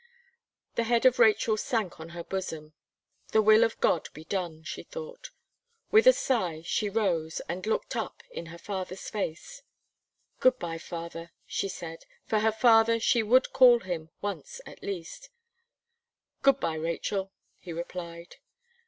The head of Rachel sank on her bosom, "The will of God be done," she thought. With a sigh she rose, and looked up in her father's face. "Good bye, father," she said, for her father she would call him once at least. "Good bye, Rachel," he replied.